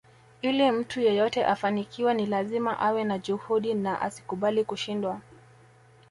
Ili mtu yeyote afanikiwe ni lazima awe na juhudi na asikubali kushindwa